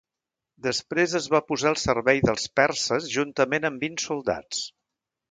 Després es va posar al servei dels perses juntament amb vint soldats.